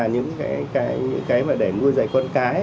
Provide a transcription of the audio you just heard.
những cái mà để nuôi dạy con cái